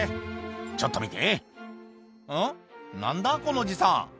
ちょっと見て。